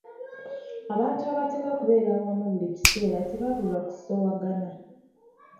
Abantu abatera okubeera awamu buli kiseera tebabulwa kusoowagana.